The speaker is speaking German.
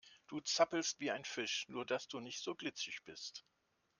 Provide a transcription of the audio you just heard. Du zappelst wie ein Fisch, nur dass du nicht so glitschig bist.